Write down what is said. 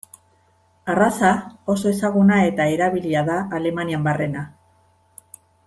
Arraza oso ezaguna eta erabilia da Alemanian barrena.